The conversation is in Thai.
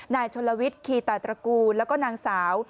นายชนลวิทย์คีตาตระกูลแล้วก็นางสาว